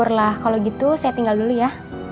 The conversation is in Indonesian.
ya udah lah kalau gitu saya tinggal dulu ya